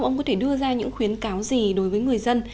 ông có thể đưa ra những khuyến cáo gì đối với người dân